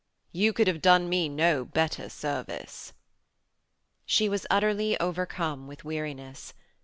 'You could have done me no better service.' She was utterly overcome with weariness.